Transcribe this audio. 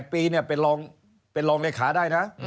๘ปีเป็นรองเลขาได้นะ